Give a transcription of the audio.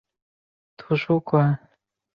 中国植物学家。